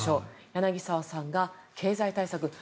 柳澤さんが経済対策。